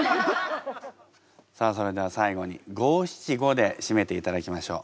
さあそれでは最後に五七五で締めていただきましょう。